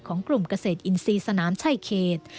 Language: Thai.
ของกลุ่มเกษตรอินทรีย์สนามชายเขต